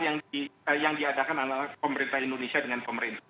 yang diadakan oleh pemerintah indonesia dengan pemerintah